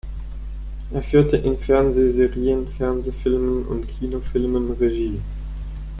Er führte in Fernsehserien, Fernsehfilmen und Kinofilmen Regie.